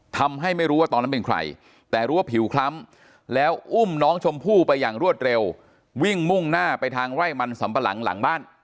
ทำให้ไม่รู้ว่าตอนนั้นเป็นใครแต่รู้ว่าผิวคล้ำแล้วอุ้มน้องชมพู่ไปอย่างรวดเร็ววิ่งมุ่งหน้าไปทางไร่มันสำปะหลังหลังบ้าน